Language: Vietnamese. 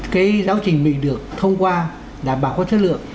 cái giáo trình mình được thông qua đảm bảo có chất lượng